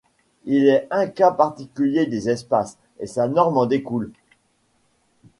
Il est un cas particulier des espaces et sa norme en découle.